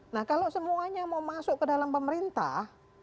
nah kalau semuanya mau masuk ke dalam pemerintah